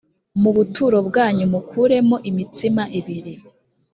mu buturo bwanyu mukuremo imitsima ibiri.